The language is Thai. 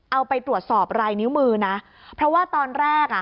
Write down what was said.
เอาไปตรวจสอบรายนิ้วมือนะเพราะว่าตอนแรกอ่ะ